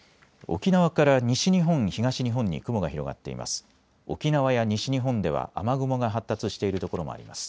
沖縄から西日本、東日本に雲が広がっています。